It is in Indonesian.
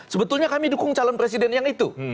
sebetulnya kami dukung calon presiden yang itu